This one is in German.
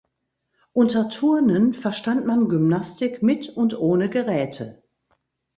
Unter Turnen verstand man Gymnastik mit und ohne Geräte.